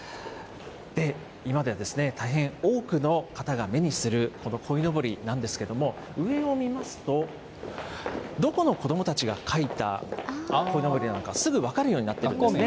で、今では大変多くの方が目にするこのこいのぼりなんですけれども、上を見ますと、どこの子どもたちが描いたこいのぼりなのかすぐ分かるようになっているんですね。